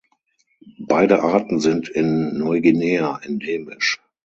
Beide Arten sind in Neuguinea endemisch.